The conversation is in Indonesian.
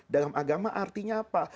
dalam agama artinya apa